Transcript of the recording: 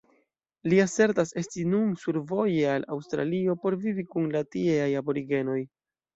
Li asertas esti nun survoje al Aŭstralio por vivi kun la tieaj aborigenoj.